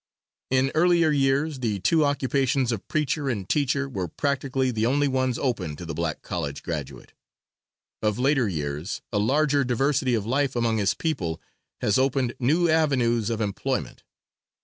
In earlier years the two occupations of preacher and teacher were practically the only ones open to the black college graduate. Of later years a larger diversity of life among his people, has opened new avenues of employment.